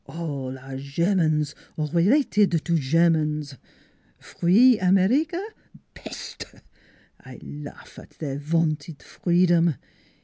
All are Germans or related to Germans. ... Free America? Peste! I laugh at their vaunted free dom